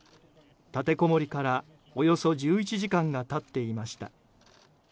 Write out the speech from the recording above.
立てこもりからおよそ１１時間が経っていました。